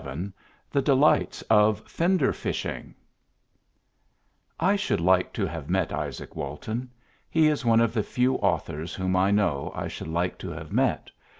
VII THE DELIGHTS OF FENDER FISHING I should like to have met Izaak Walton. He is one of the few authors whom I know I should like to have met.